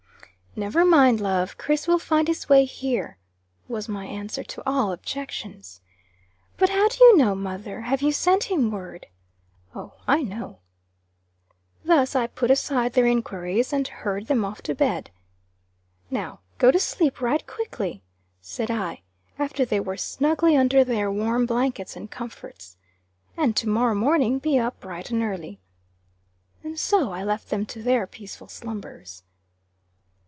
"Never mind, love; Kriss will find his way here," was my answer to all objections. "But how do you know, mother? Have you sent him word?" "Oh, I know." Thus I put aside their enquiries, and hurried them off to bed. "Now go to sleep right quickly," said I, after they were snugly under their warm blankets and comforts; "and to morrow morning be up bright and early." And so I left them to their peaceful slumbers.